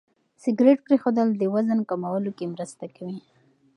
سګرېټ پرېښودل د وزن کمولو کې مرسته کوي.